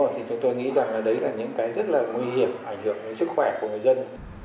thì chúng tôi nghĩ rằng là đấy là những cái rất là nguy hiểm ảnh hưởng đến sức khỏe của người dân